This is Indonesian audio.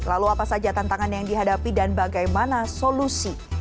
lalu apa saja tantangan yang dihadapi dan bagaimana solusi